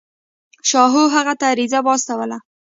شاهو هغه ته عریضه واستوله.